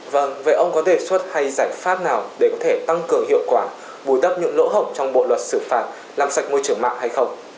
vâng vậy ông có đề xuất hay giải pháp nào để có thể tăng cường hiệu quả bù đắp những lỗ hổng trong bộ luật xử phạt làm sạch môi trường mạng hay không